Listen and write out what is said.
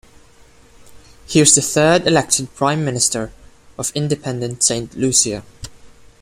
He was the third elected Prime Minister of independent Saint Lucia.